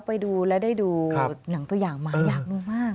ไปดูและได้ดูหนังตัวอย่างมาอยากดูมาก